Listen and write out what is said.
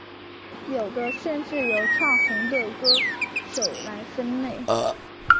有的甚至由唱红的歌手来分类。